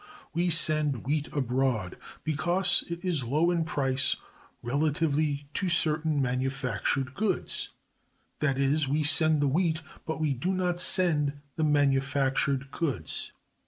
We send wheat abroad, because it is low in price relatively to certain manufactured goods; that is, we send the wheat, but we do not send the manufactured goods.